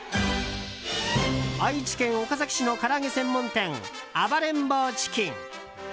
愛知県岡崎市のから揚げ専門店暴れん坊チキン。